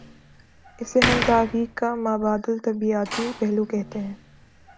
اسے ہم تاریخ کا ما بعد الطبیعیاتی پہلو کہتے ہیں۔